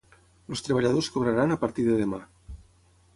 Els treballadors cobraran a partir de demà.